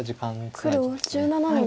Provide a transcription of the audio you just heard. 黒１７の二。